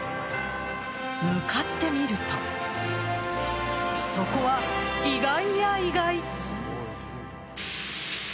向かってみるとそこは意外や意外。